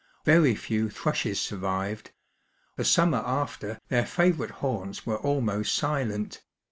Very few thrushes survived ; the summer after their &ivourite haunts were almost silent.